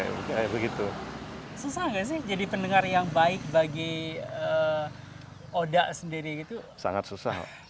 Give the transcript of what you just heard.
susah nggak sih jadi pendengar yang baik bagi oda sendiri